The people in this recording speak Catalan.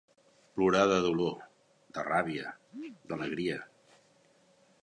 Plorar de dolor, de ràbia, d'alegria.